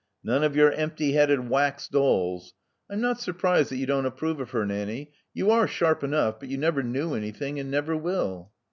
None of your empty headed wax dolls. I'm not sur prised that you don't approve of her, Nanny. You are sharp enough; but you never knew anything, and never will."